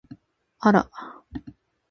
あら！